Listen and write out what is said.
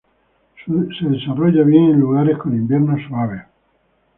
Se desarrolla bien en lugares con invierno suave.